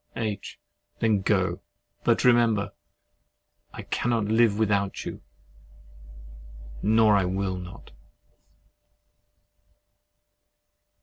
H. Then go: but remember I cannot live without you—nor I will not.